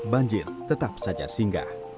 banjir tetap saja singgah